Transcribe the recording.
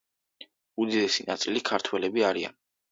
უდიდესი ნაწილი ქართველები არიან.